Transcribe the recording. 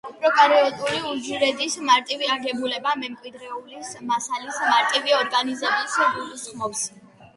პროკარიოტული უჯრედის მარტივი აგებულება მემკვიდრული მასალის მარტივ ორგანიზებასაც გულისხმობს.